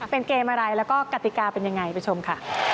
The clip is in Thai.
เป็นเกมอะไรแล้วก็กติกาเป็นยังไงไปชมค่ะ